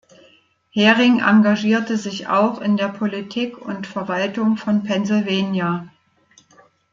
Hering engagierte sich auch in der Politik und Verwaltung von Pennsylvania.